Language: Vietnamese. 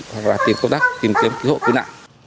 hoặc là tìm công tác tìm kiếm cứu hộ cứu nạn